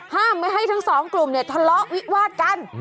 ห้ามให้ทั้งสองกลุ่มทะเลาะวิวาดกัน